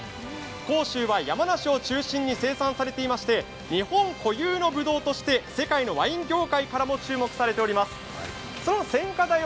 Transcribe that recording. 甲州は山梨を中心に生産されていまして日本固有のぶどうとして世界のワイン業界からも注目されています。